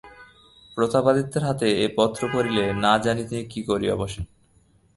প্রতাপ আদিত্যের হাতে এ পত্র পড়িলে না জানি তিনি কি করিয়া বসেন।